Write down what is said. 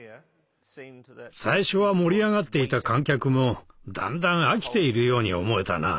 最初は盛り上がっていた観客もだんだん飽きているように思えたな。